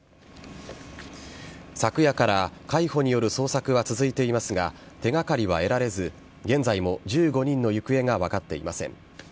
昨夜から海保による捜索が続いていますが手がかりは得られず現在も１５人の行方が分かっていません。